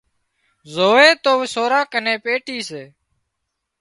زووي تو سوران ڪنين پيٽي سي